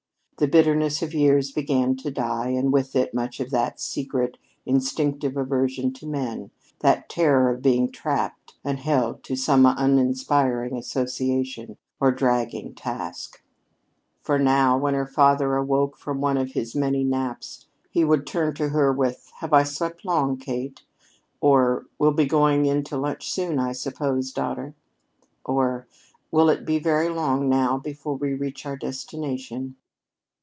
The bitterness of years began to die, and with it much of that secret, instinctive aversion to men that terror of being trapped and held to some uninspiring association or dragging task. For now, when her father awoke from one of his many naps, he would turn to her with: "Have I slept long, Kate?" or "We'll be going in to lunch soon, I suppose, daughter?" or "Will it be very long now before we reach our destination?"